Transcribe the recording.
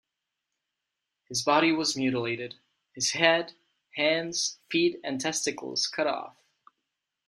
His body was mutilated; his head, hands, feet and testicles cut off.